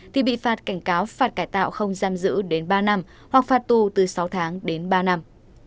thì bị phạt cảnh cáo phạt cải tạo không giam giữ đến ba năm hoặc phạt tù từ sáu tháng đến ba năm